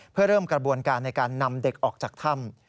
เพื่อเริ่มกระบวนการในการนำเด็กออกจากถ้ำ